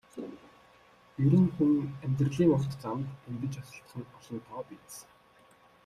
Ер нь хүн амьдралын урт замд эндэж осолдох нь олонтоо биз.